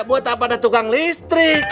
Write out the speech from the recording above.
buat apa ada tukang listrik